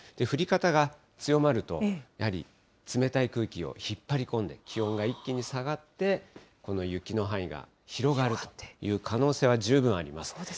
降り方が強まると、やはり冷たい空気を引っ張りこんで、気温が一気に下がって、この雪の範囲が広がるという可能性は十分あります。